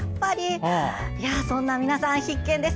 そんな皆さん必見です。